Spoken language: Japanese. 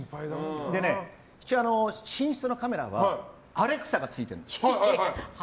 一応、寝室のカメラはアレクサがついてるんです。